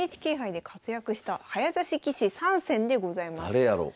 誰やろう？